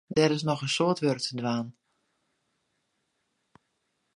Der is noch in soad wurk te dwaan.